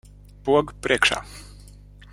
Poga priekšā.